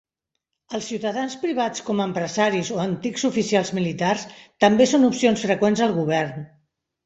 Els ciutadans privats com empresaris o antics oficials militars també són opcions freqüents al govern.